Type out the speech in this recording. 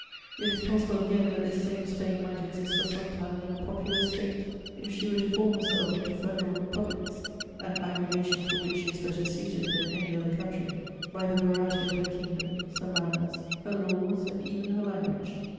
It is possible again that this same Spain might exist for some time in a popular state, if she were to form herself into federal republics, an aggregation for which she is better suited than any other country by the variety of her kingdoms, her manners, her laws and even her language."